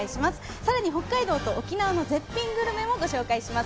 さらに北海道と沖縄の絶品グルメもご紹介します。